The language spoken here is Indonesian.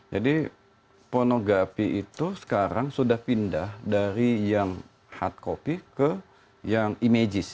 jadi pornografi itu sekarang sudah pindah dari yang hard copy ke yang images